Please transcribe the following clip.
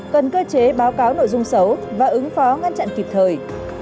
cần cơ chế báo cáo nội dung xấu và ứng phó ngăn chặn kịp thời